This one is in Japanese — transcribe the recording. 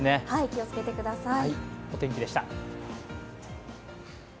気を付けてください。